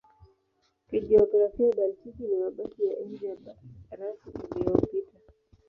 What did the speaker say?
Kijiografia Baltiki ni mabaki ya Enzi ya Barafu iliyopita.